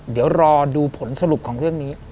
เดี๋ยวรอดูผลสรุปของเรื่องนี้